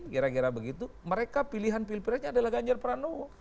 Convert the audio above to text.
kira kira begitu mereka pilihan pilpresnya adalah ganjar pranowo